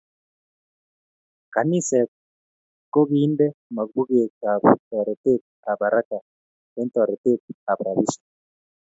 Kaniset kokiende mapuket ab toretet ab haraka eng toretet ab rabisiek